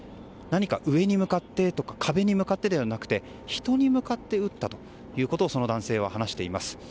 上に向かってとか壁に向かってではなくて人に向かって撃ったということをその男性は話しています。